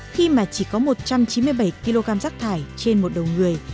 khi mà chỉ có một trăm chín mươi bảy kg rác thải trên một đầu người